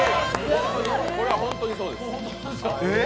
これはホントにそうです。